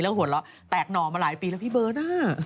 หัวเราะแตกหน่อมาหลายปีแล้วพี่เบิร์ต